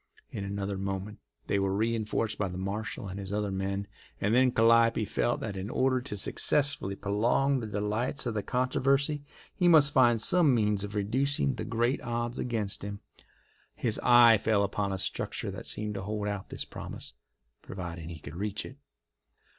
In another moment they were reinforced by the marshal and his other men, and then Calliope felt that in order to successfully prolong the delights of the controversy he must find some means of reducing the great odds against him. His eye fell upon a structure that seemed to hold out this promise, providing he could reach it.